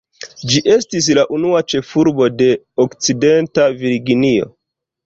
Ĝi estis la unua ĉefurbo de Okcidenta Virginio.